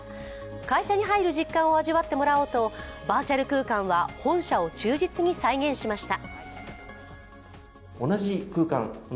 会社に入る実感を味わってもらおうと、バーチャル空間は本社を忠実に再現しました。